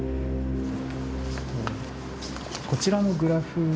こちらのグラフ。